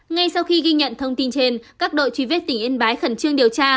ngay sau khi ghi nhận thông tin trên các đội truy viết tỉnh yên bái khẩn trương điều tra